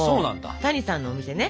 谷さんのお店ね